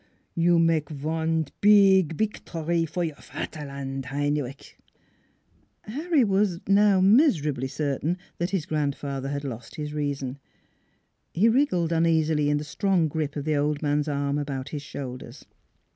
You mage von pig victory for your vaterland, Heinrich." Harry was now miserably certain that his grandfather had lost his reason. He wriggled uneasily in the strong grip of the old man's arm about his shoulders.